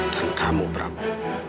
dan kamu prabu